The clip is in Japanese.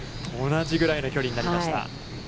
同じぐらいの距離になりました。